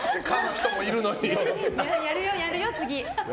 やるよ、やるよ、次。